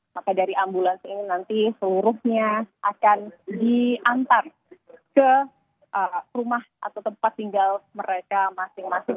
maka dari ambulans ini nanti seluruhnya akan diantar ke rumah atau tempat tinggal mereka masing masing